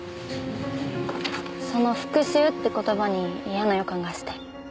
その「復讐」って言葉にいやな予感がして。